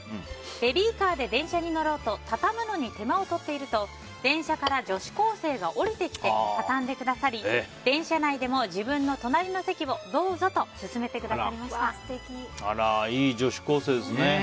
ベビーカーで電車に乗ろうとたたむのに手間取っていると電車から女子高生が降りてきて畳んでくださり電車内でも、自分の隣の席をいい女子高生ですね。